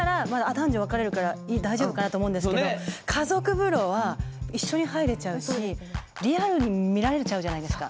男女分かれるから大丈夫かなと思うんですけど家族風呂は一緒に入れちゃうしリアルに見られちゃうじゃないですか。